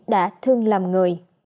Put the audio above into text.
đã thương làm người